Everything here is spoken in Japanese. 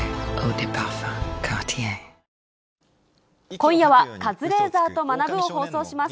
今夜はカズレーザーと学ぶ。を放送します。